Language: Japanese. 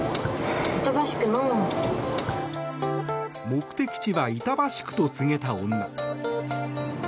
目的地は板橋区と告げた女。